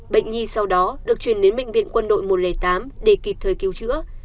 bệnh nhi sau đó được chuyển đến bệnh viện quân đội một trăm linh tám để kịp thời cứu chữa